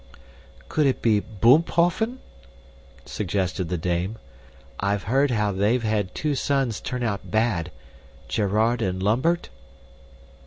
"Could it be Boomphoffen?" suggested the dame. "I've heard how they've had two sons turn out bad Gerard and Lambert?"